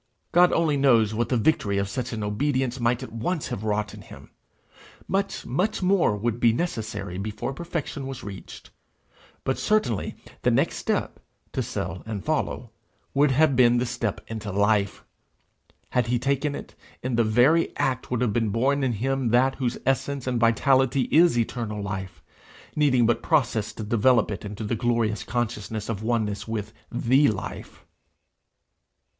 God only knows what the victory of such an obedience might at once have wrought in him! Much, much more would be necessary before perfection was reached, but certainly the next step, to sell and follow, would have been the step into life: had he taken it, in the very act would have been born in him that whose essence and vitality is eternal life, needing but process to develop it into the glorious consciousness of oneness with The Life.